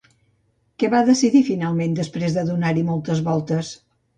Què va decidir finalment després de donar-hi moltes voltes?